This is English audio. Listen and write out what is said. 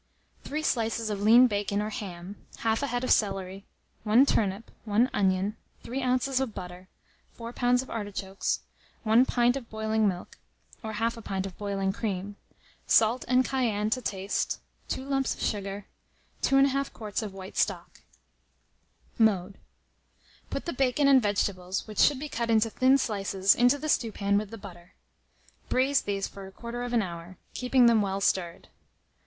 3 slices of lean bacon or ham, 1/2 a head of celery, 1 turnip, 1 onion, 3 oz. of butter, 4 lbs. of artichokes, 1 pint of boiling milk, or 1/2 pint of boiling cream, salt and cayenne to taste, 2 lumps of sugar, 2 1/2 quarts of white stock. Mode. Put the bacon and vegetables, which should be cut into thin slices, into the stewpan with the butter. Braise these for 1/4 of an hour, keeping them well stirred.